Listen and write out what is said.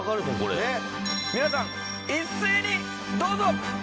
皆さん一斉にどうぞ！